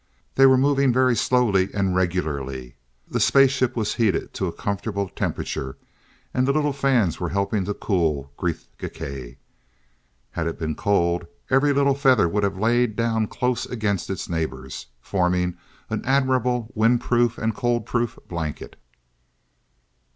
They were moving very slowly and regularly. The space ship was heated to a comfortable temperature, and the little fans were helping to cool Gresth Gkae. Had it been cold, every little feather would have lain down close against its neighbors, forming an admirable, wind proof and cold proof blanket.